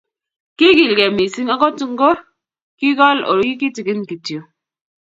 kiikiligei mising akot nto kikool oi kitikin kityo